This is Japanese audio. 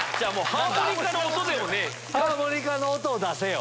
ハーモニカの音を出せよ！